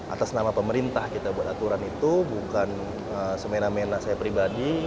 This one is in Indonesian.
atas nama pemerintah kita buat aturan itu bukan semena mena saya pribadi